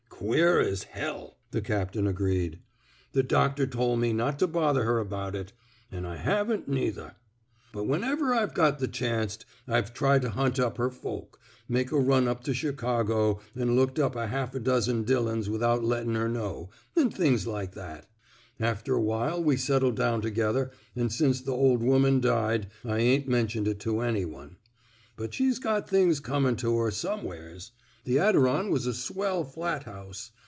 Queer as h ," the captain agreed. The doctor tol' me not to bother her about it. An' I haven't, neither. But whenever I've got the chanct I've tried to hunt up her folk — made a run up to Chicago an' looked up a half dozen Dillons without lettin' her know — an' things like that. ... After awhile we settled down together an' since th' ol' woman died, I ain't mentioned it to any one: ... But she's got things comin' to her, SQmewheres. The Adiron was a swell flat house.